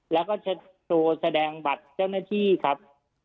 แล้วก็เช็ดตัวแสดงบัตรเจ้าหน้าที่ครับ